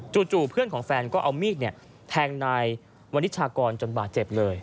จู่เพื่อนของแฟนก็เอามีดแทงนายวนิชากรจนบาดเจ็บเลย